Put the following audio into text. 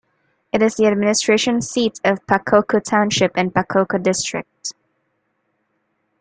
It is the administration seat of Pakokku Township and Pakokku District.